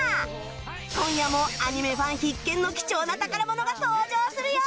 今夜もアニメファン必見の貴重な宝物が登場するよ！